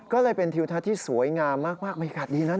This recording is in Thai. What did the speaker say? ก็เลยเป็นธิวทัศน์ที่สวยงามมากไม่ขาดดีแล้วนะ